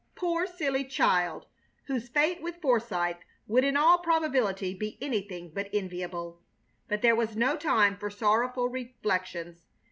Poor, silly child, whose fate with Forsythe would in all probability be anything but enviable! But there was no time for sorrowful reflections.